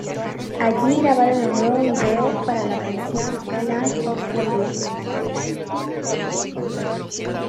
Allí grabaron un nuevo vídeo para la canción 'Land of the Living'.